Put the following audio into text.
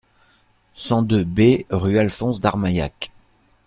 cent deux B rue Alphonse Darmaillacq